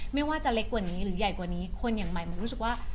ไม่ว่าจะเล็กกว่านี้หรือใหญ่กว่านี้คนอย่างใหม่มันก็รู้สึกว่า